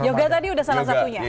yoga tadi udah salah satunya